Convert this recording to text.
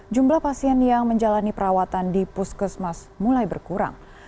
jumlah pasien yang menjalani perawatan di puskesmas mulai berkurang